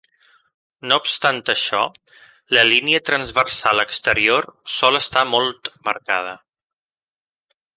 No obstant això, la línia transversal exterior sol estar molt marcada.